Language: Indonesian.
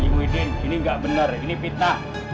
hai pagi muhyiddin ini enggak bener ini kita